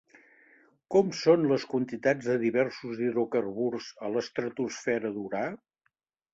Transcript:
Com són les quantitats de diversos hidrocarburs a l'estratosfera d'Urà?